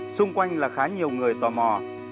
xung quanh là khá nhiều người tò mò